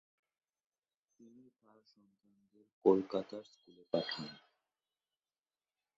তিনি তার সন্তানদের কলকাতার স্কুলে পাঠান।